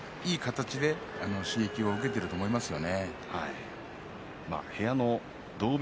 いい形で刺激を受けていると思いますね。